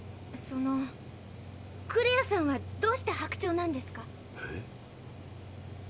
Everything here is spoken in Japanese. そのクレアさんはどうして「ハクチョウ」なんですか？